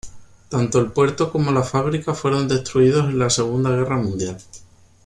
Tanto el puerto como la fábrica fueron destruidos en la Segunda Guerra Mundial.